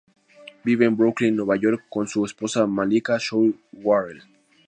Vive en Brooklyn, Nueva York, con su esposa Malika Zouhali-Worrall.